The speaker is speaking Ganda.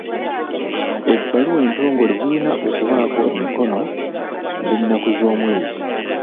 Ebbaluwa entongole zirina okubaako emikono b'ennaku z'omwezi.